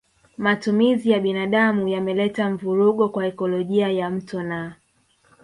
Matumizi ya binadamu yameleta mvurugo kwa ekolojia ya mto na